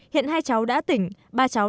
hiện hai cháu đã tỉnh ba cháu